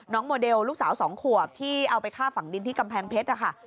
โมเดลลูกสาว๒ขวบที่เอาไปฆ่าฝั่งดินที่กำแพงเพชรนะคะ